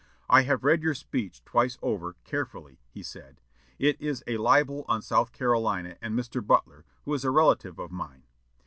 "I have read your speech twice over, carefully," he said. "It is a libel on South Carolina and Mr. Butler, who is a relative of mine."